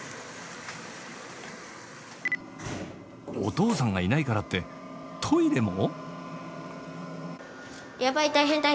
お父さんがいないからってトイレも？